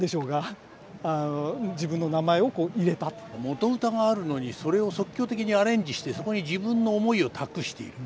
元歌があるのにそれを即興的にアレンジしてそこに自分の思いを託している。